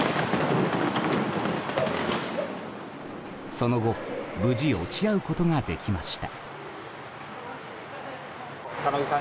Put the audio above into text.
その後、無事落ち合うことができました。